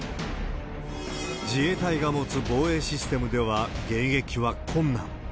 自衛隊が持つ防衛システムでは迎撃は困難。